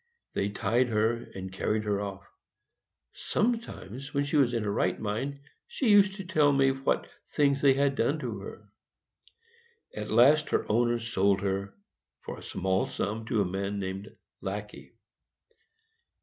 They tied her, and carried her off. Sometimes, when she was in her right mind, she used to tell me what things they had done to her. At last her owner sold her, for a small sum, to a man named Lackey.